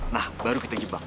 nah baru kita jebak